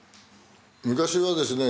昔はですね